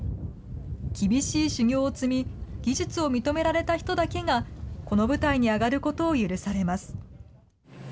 厳しい修行を積み、技術を認められた人だけがこの舞台に上がることを許されます。